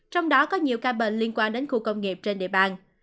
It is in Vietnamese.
trong đó có nhiều ca bệnh liên quan đến khu công nghiệp trên địa bàn